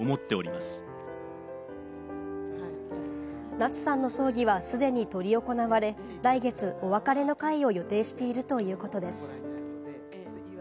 夏さんの葬儀は既に執り行われ、来月お別れの会を予定しているということです。